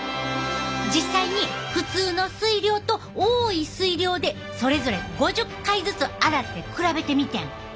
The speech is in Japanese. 実際に普通の水量と多い水量でそれぞれ５０回ずつ洗って比べてみてん。